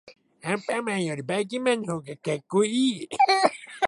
アンパンマンよりばいきんまんのほうがかっこいい。